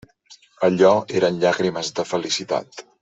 Allò eren llàgrimes de felicitat.